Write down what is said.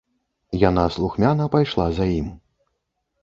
Яна слухмяна пайшла за ім.